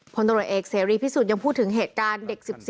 พลตรวจเอกเสรีพิสุทธิ์ยังพูดถึงเหตุการณ์เด็ก๑๔